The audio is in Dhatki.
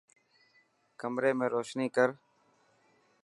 ڪمري ۾ روشني ڪر.